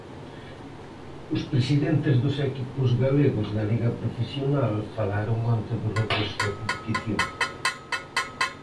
Os presidentes dos equipos galegos da Liga profesional falaron onte do regreso da competición.